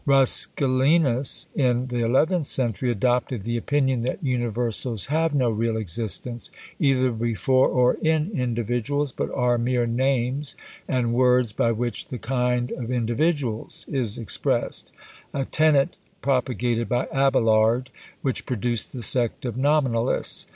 Roscelinus, in the eleventh century, adopted the opinion that universals have no real existence, either before or in individuals, but are mere names and words by which the kind of individuals is expressed; a tenet propagated by Abelard, which produced the sect of Nominalists.